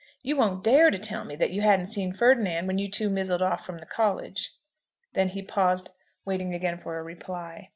You won't dare to tell me that you hadn't seen Ferdinand when you two mizzled off from the College?" Then he paused, waiting again for a reply.